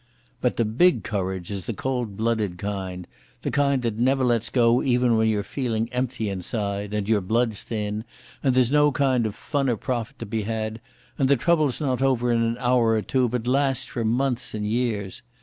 _ _But the big courage is the cold blooded kind, the kind that never lets go even when you're feeling empty inside, and your blood's thin, and there's no kind of fun or profit to be had, and the trouble's not over in an hour or two but lasts for months and years.